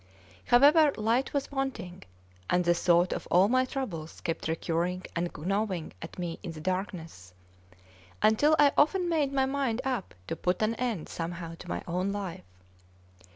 However, light was wanting; and the thought of all my troubles kept recurring and gnawing at me in the darkness, until I often made my mind up to put an end somehow to my own life.